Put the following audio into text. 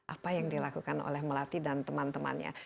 apa yang dilakukan oleh melati dan teman temannya